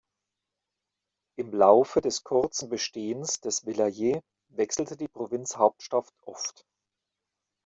Im Laufe des kurzen Bestehens des Vilayet wechselte die Provinzhauptstadt oft.